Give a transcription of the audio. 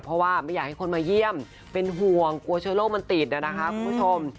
เพราะว่าไม่อยากให้คนมาเยี่ยมเป็นห่วงกลัวเชื้อโรคมันติดนะคะคุณผู้ชม